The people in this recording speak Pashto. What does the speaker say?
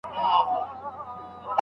جګړې زموږ د خلګو هیلې زیانمنې کړې دي.